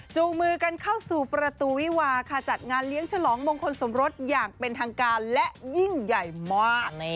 จูงมือกันเข้าสู่ประตูวิวาค่ะจัดงานเลี้ยงฉลองมงคลสมรสอย่างเป็นทางการและยิ่งใหญ่มาก